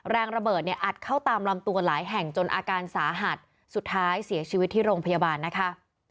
แรงระเบิดเนี่ยอัดเข้าตามลำตัวหลายแห่งจนอาการสาหัสสุดท้ายเสียชีวิตที่โรงพยาบาลนะคะ